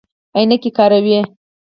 عینکې کاروئ؟